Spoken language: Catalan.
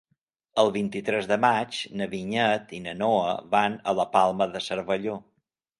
El vint-i-tres de maig na Vinyet i na Noa van a la Palma de Cervelló.